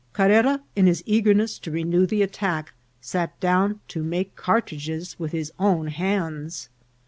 Carrera, in his eagerness to renew the attack, sat down to make cartridges with his own hands.